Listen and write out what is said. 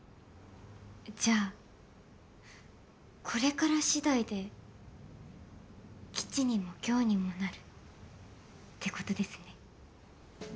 じゃあこれから次第で吉にも凶にもなるってことですね。